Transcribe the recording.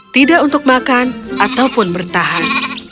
tidak untuk makan ataupun bertahan